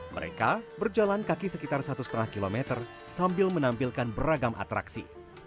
mereka berjalan kaki sekitar satu lima km sambil menampilkan beragam atraksi